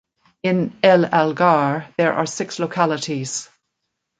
In El Algar there are six localities.